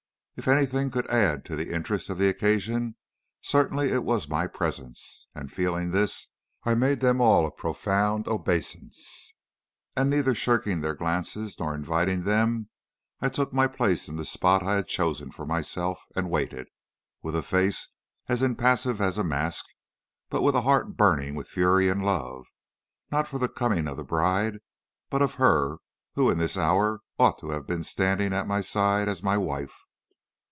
If anything could add to the interest of the occasion, certainly it was my presence; and, feeling this, I made them all a profound obeisance, and, neither shirking their glances nor inviting them, I took my place in the spot I had chosen for myself, and waited, with a face as impassive as a mask, but with a heart burning with fury and love, not for the coming of the bride, but of her who in this hour ought to have been standing at my side as my wife.